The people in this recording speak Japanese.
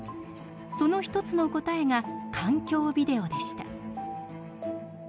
その一つの答えが環境ビデオでした。